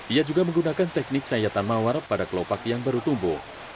ia juga menggunakan teknik sayatan mawar pada kelopak yang baru tumbuh